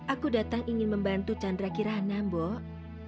aku datang ingin membantu chandra kirana mbok